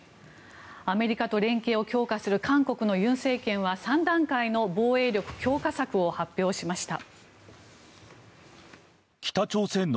アメリカと連携を強化する韓国の尹政権は３段階の防衛力強化策を発表しました。